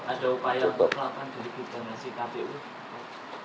ada upaya yang berkelakuan sedikit dengan si kpu